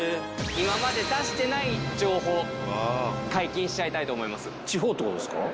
今まで出してない情報を解禁しちゃいたいと思います。